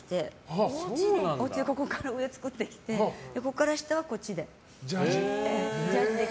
おうちでここから上を作ってきてここから下はジャージーで。